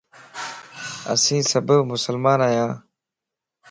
اسين سڀ مسلمان ايان